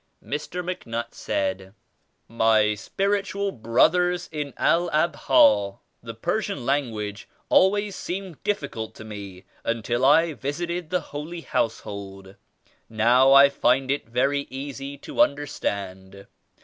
Mr. MacNutt said, "My spirit ual brothers in E1 AbhaI The Persian lan guage always seemed difficult to me until I visited the Holy Household. Now I find it very easy to understand.